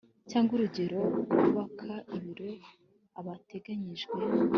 cya urugero kubaka ibiro ahateganyijwe